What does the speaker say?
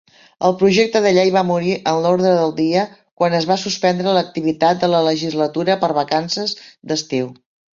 El projecte de llei va morir en l'ordre del dia quan es va suspendre l'activitat de la legislatura per vacances d'estiu.